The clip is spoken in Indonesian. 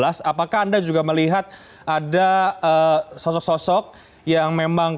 apakah anda juga melihat ada sosok sosok yang memang